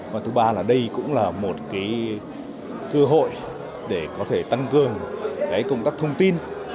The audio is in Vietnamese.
và thứ ba là đây cũng là một cơ hội để có thể tăng cường công tác thông tin